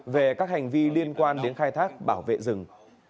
về các hành vi liên quan đến khai thác bảo vệ rừng